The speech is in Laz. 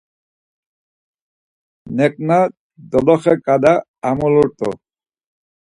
Neǩna doloxe ǩale amulurt̆u.